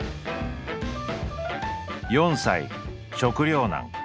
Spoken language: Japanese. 「４歳食糧難。